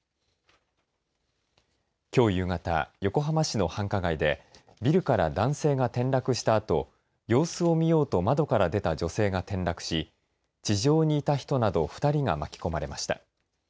きょう夕方、横浜市の繁華街でビルから男性が転落したあと様子を見ようと窓から出た女性が転落し地上にいた人など２人が巻き込まれました。